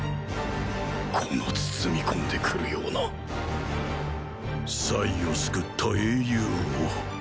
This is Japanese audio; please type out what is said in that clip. この包み込んでくるような“”を救った英雄王ーー。